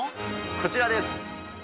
こちらです。